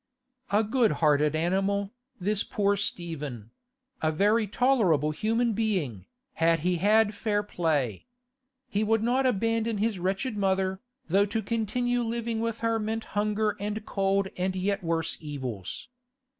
A good hearted animal, this poor Stephen; a very tolerable human being, had he had fair play. He would not abandon his wretched mother, though to continue living with her meant hunger and cold and yet worse evils.